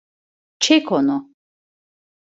Çek onu!